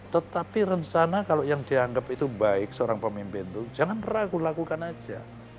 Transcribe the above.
tetapi rencana kalau yang dianggap itu baik seorang pemimpin itu jangan ragu ragukan aja